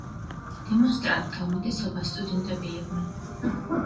დემონსტრანტთა უმეტესობა სტუდენტები იყვნენ.